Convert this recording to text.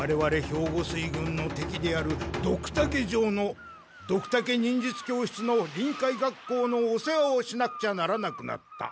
兵庫水軍の敵であるドクタケ城のドクタケ忍術教室の臨海学校のお世話をしなくちゃならなくなった。